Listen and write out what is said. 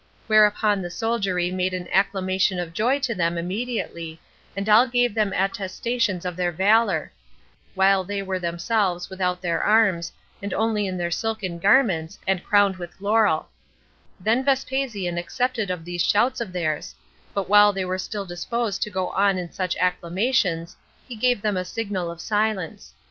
Whereupon the soldiery made an acclamation of joy to them immediately, and all gave them attestations of their valor; while they were themselves without their arms, and only in their silken garments, and crowned with laurel: then Vespasian accepted of these shouts of theirs; but while they were still disposed to go on in such acclamations, he gave them a signal of silence.